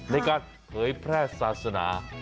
ในการเผยแพร่ศาสนา